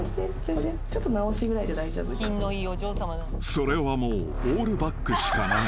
［それはもうオールバックしかない］